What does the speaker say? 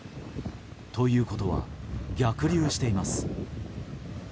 ということは逆流しています。